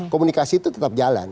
komunikasi itu tetap jalan